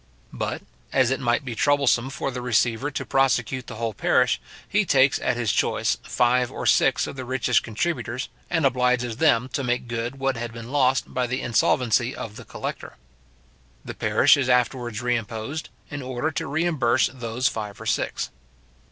But, as it might be troublesome for the receiver to prosecute the whole parish, he takes at his choice five or six of the richest contributors, and obliges them to make good what had been lost by the insolvency of the collector. The parish is afterwards reimposed, in order to reimburse those five or six.